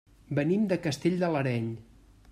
Venim de Castell de l'Areny.